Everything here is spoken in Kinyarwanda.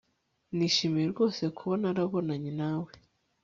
nishimiye rwose kuba narabonanye nawe